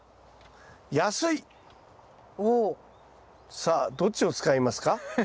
さあどっちを使いますか？